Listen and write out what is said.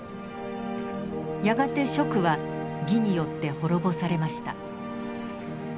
やがて蜀は魏によって滅ぼされました。